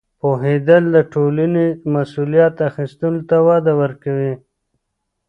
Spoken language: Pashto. پوهېدل د ټولنیزې مسؤلیت اخیستلو ته وده ورکوي.